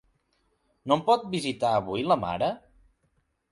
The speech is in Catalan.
No em pot visitar avui la mare?